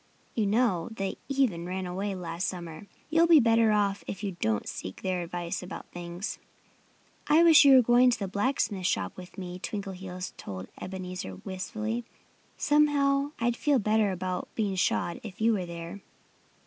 "You know, they even ran away last summer. You'll be better off! if you don't seek their advice about things." "I wish you were going to the blacksmith's shop with me," Twinkleheels told Ebenezer wistfully. "Somehow I'd feel better about being shod if you were there."